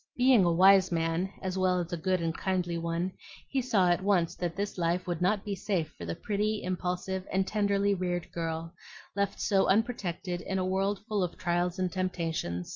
Being a wise man as well as a good and kindly one, he saw at once that this life would not be safe for the pretty, impulsive, and tenderly reared girl, left so unprotected in a world full of trials and temptations.